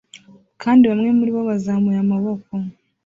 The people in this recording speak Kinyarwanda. kandi bamwe muribo bazamuye amaboko